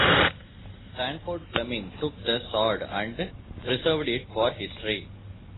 Sandford Fleming took the sod and preserved it for history.